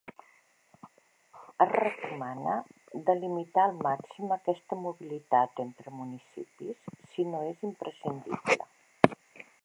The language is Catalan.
Es recomana de limitar al màxim aquesta mobilitat entre municipis si no és imprescindible.